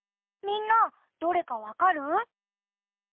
みんなどれかわかる？